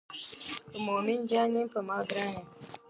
که مومن جان یې پر ما ګران یې.